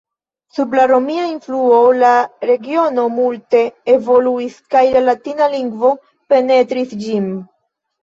Sub la romia influo la regiono multe evoluis kaj la latina lingvo penetris ĝin.